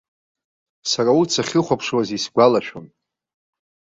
Сара урҭ сахьрыхәаԥшуаз исгәалашәон.